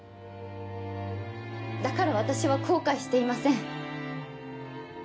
だから私は後悔していません。